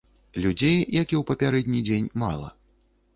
Людзей, як і ў папярэдні дзень мала.